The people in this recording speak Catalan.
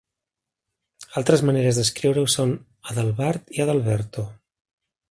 Altres maneres d'escriure-ho són Adelbart i Adalberto.